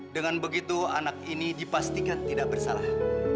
dengan begitu anak ini dipastikan tidak bersalah